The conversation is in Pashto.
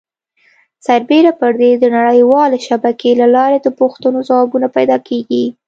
سربیره پر دې د نړۍ والې شبکې له لارې د پوښتنو ځوابونه پیدا کېږي.